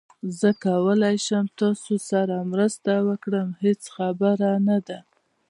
زه کولای شم تاسو سره مرسته وکړم، هیڅ خبره نه ده